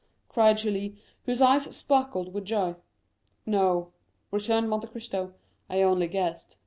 cried Julie, whose eyes sparkled with joy. "No," returned Monte Cristo "I only guessed.